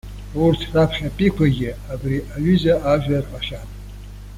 Урҭ раԥхьатәиқәагьы абри аҩыза ажәа рҳәахьан.